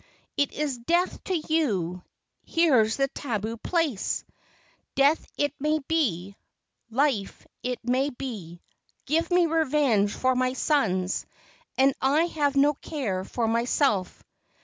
It is death to you. Here's the tabu place." "Death it may be—life it may be. Give me revenge for my sons—and I have no care for myself."